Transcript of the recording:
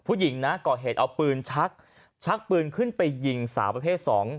ผู้หญิงนะก่อเหตุเอาปืนชักชักปืนขึ้นไปยิงสาวประเภทสอง